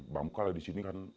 bambu kali di sini kan empat satu